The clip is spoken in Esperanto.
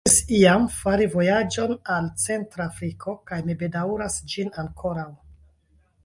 Mi rifuzis iam fari vojaĝon al Centra Afriko, kaj mi bedaŭras ĝin ankoraŭ.